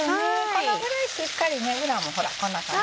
このぐらいしっかりね裏もほらこんな感じ。